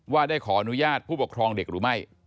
ว่าได้ขออนุญาตผู้ปกครองเด็กหรือไม่